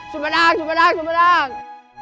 semedang semedang semedang